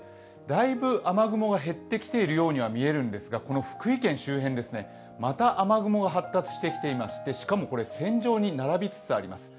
だいぶ雨雲が減ってきているように見えるんですがこの福井県周辺、また雨雲が発達してきていましてしかもこれ、線状に並びつつあります。